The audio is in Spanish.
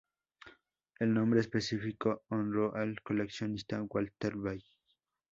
El nombre específico honró al coleccionista Walter Bell.